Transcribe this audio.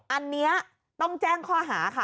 อันนี้ต้องแจ้งข้อหาค่ะ